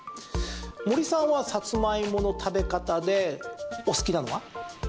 森さんはサツマイモの食べ方でお好きなのは？